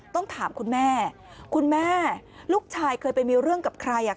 ต้องถามคุณแม่คุณแม่ลูกชายเคยไปมีเรื่องกับใคร